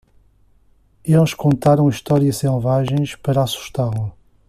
Eles contaram histórias selvagens para assustá-lo.